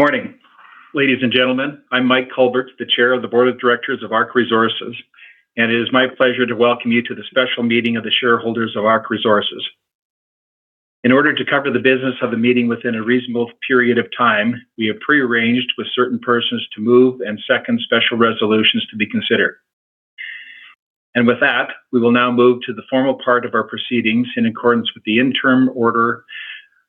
Good morning, ladies and gentlemen. I'm Mike Culbert, the Chair of the board of directors of ARC Resources, and it is my pleasure to welcome you to the special meeting of the shareholders of ARC Resources. In order to cover the business of the meeting within a reasonable period of time, we have pre-arranged with certain persons to move and second special resolutions to be considered. With that, we will now move to the formal part of our proceedings in accordance with the interim order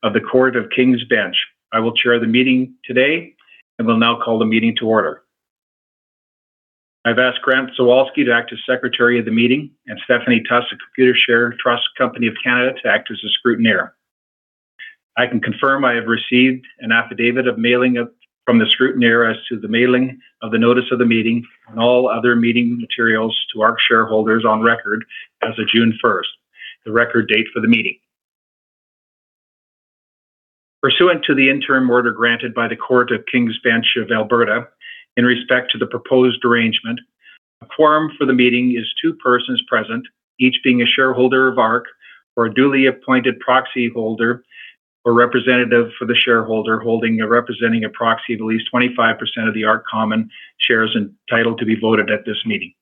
of the Court of King's Bench. I will chair the meeting today, and will now call the meeting to order. I've asked Grant Zawalsky to act as Secretary of the meeting, and Stephanie Tuss, of Computershare Trust Company of Canada, to act as a scrutineer. I can confirm I have received an affidavit of mailing from the scrutineer as to the mailing of the notice of the meeting and all other meeting materials to ARC shareholders on record as of June 1st, the record date for the meeting. Pursuant to the interim order granted by the Court of King's Bench of Alberta in respect to the proposed arrangement, a quorum for the meeting is two persons present, each being a shareholder of ARC or a duly appointed proxyholder or representative for the shareholder holding or representing a proxy of at least 25% of the ARC common shares entitled to be voted at this meeting.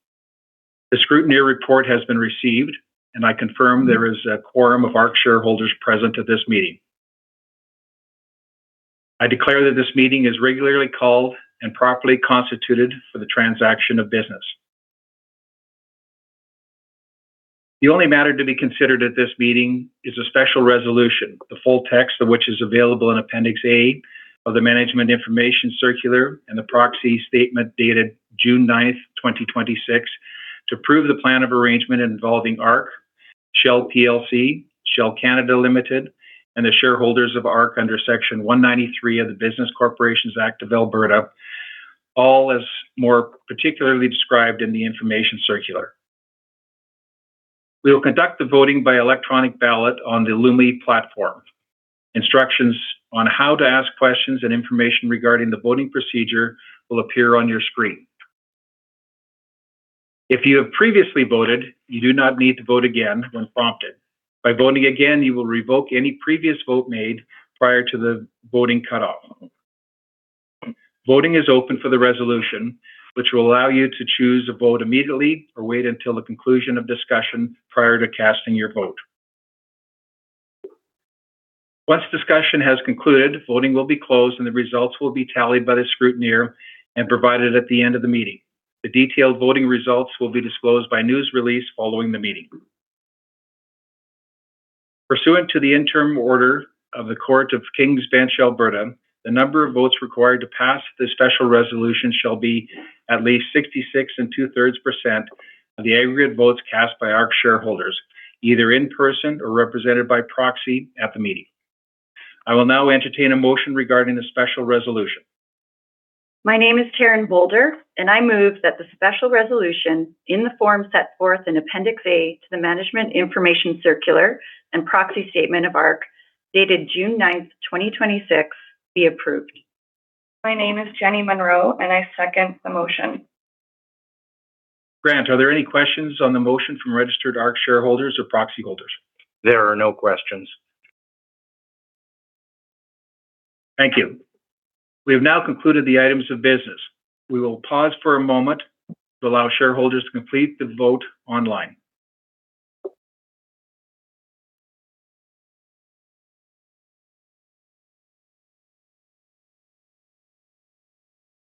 The scrutineer report has been received, and I confirm there is a quorum of ARC shareholders present at this meeting. I declare that this meeting is regularly called and properly constituted for the transaction of business. The only matter to be considered at this meeting is a special resolution, the full text of which is available in Appendix A of the management information circular and the proxy statement dated June 9th, 2026, to approve the plan of arrangement involving ARC, Shell plc, Shell Canada Limited, and the shareholders of ARC under Section 193 of the Business Corporations Act of Alberta, all as more particularly described in the information circular. We will conduct the voting by electronic ballot on the Lumi platform. Instructions on how to ask questions and information regarding the voting procedure will appear on your screen. If you have previously voted, you do not need to vote again when prompted. By voting again, you will revoke any previous vote made prior to the voting cutoff. Voting is open for the resolution, which will allow you to choose to vote immediately or wait until the conclusion of discussion prior to casting your vote. Once discussion has concluded, voting will be closed, and the results will be tallied by the scrutineer and provided at the end of the meeting. The detailed voting results will be disclosed by news release following the meeting. Pursuant to the interim order of the Court of King's Bench, Alberta, the number of votes required to pass the special resolution shall be at least 66 and 2/3% of the aggregate votes cast by ARC shareholders, either in person or represented by proxy at the meeting. I will now entertain a motion regarding the special resolution. My name is Karen Boulder, and I move that the special resolution in the form set forth in Appendix A to the management information circular and proxy statement of ARC, dated June 9th, 2026, be approved. My name is Jenny Monroe, and I second the motion. Grant, are there any questions on the motion from registered ARC shareholders or proxyholders? There are no questions. Thank you. We have now concluded the items of business. We will pause for a moment to allow shareholders to complete the vote online.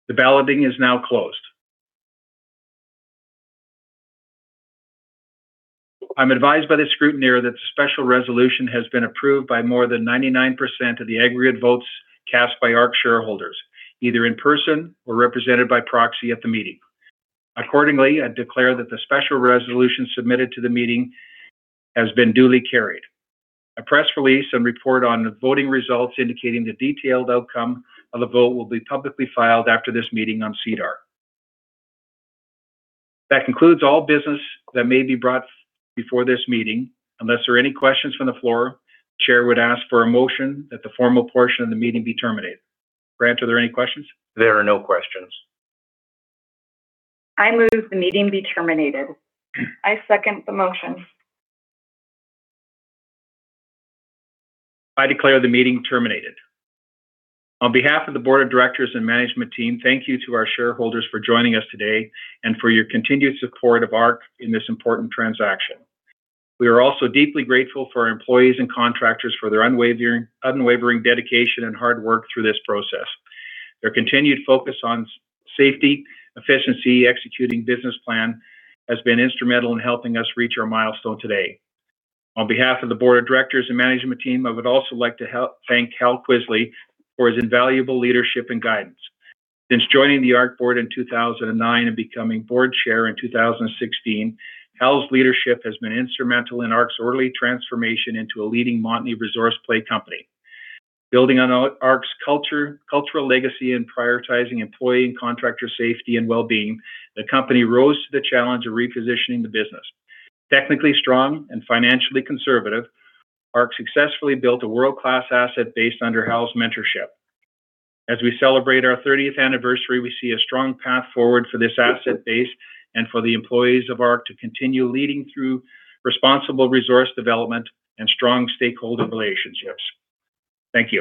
The balloting is now closed. I'm advised by the scrutineer that the special resolution has been approved by more than 99% of the aggregate votes cast by ARC shareholders, either in person or represented by proxy at the meeting. Accordingly, I declare that the special resolution submitted to the meeting has been duly carried. A press release and report on the voting results indicating the detailed outcome of the vote will be publicly filed after this meeting on SEDAR. That concludes all business that may be brought before this meeting. Unless there are any questions from the floor, Chair would ask for a motion that the formal portion of the meeting be terminated. Grant, are there any questions? There are no questions. I move the meeting be terminated. I second the motion. I declare the meeting terminated. On behalf of the Board of Directors and management team, thank you to our shareholders for joining us today and for your continued support of ARC in this important transaction. We are also deeply grateful for our employees and contractors for their unwavering dedication and hard work through this process. Their continued focus on safety, efficiency, executing business plan, has been instrumental in helping us reach our milestone today. On behalf of the Board of Directors and management team, I would also like to thank Harold Kvisle for his invaluable leadership and guidance. Since joining the ARC Board in 2009 and becoming Board Chair in 2016, Hal's leadership has been instrumental in ARC's early transformation into a leading Montney resource play company. Building on ARC's cultural legacy and prioritizing employee and contractor safety and well-being, the company rose to the challenge of repositioning the business. Technically strong and financially conservative, ARC successfully built a world-class asset base under Hal's mentorship. As we celebrate our 30th anniversary, we see a strong path forward for this asset base and for the employees of ARC to continue leading through responsible resource development and strong stakeholder relationships. Thank you.